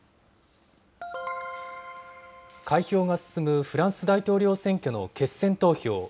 開票が進むフランス大統領選挙の決選投票。